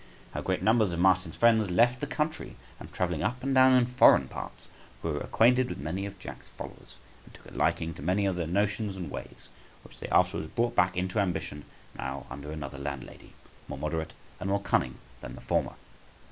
How great numbers of Martin's friends left the country, and, travelling up and down in foreign parts, grew acquainted with many of Jack's followers, and took a liking to many of their notions and ways, which they afterwards brought back into ambition, now under another landlady {161c}, more moderate and more cunning than the former.